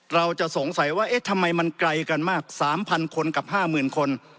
เราจะสงสัยว่าเอ๊ะทำไมมันไกลกันมาก๓๐๐คนกับ๕๐๐๐คน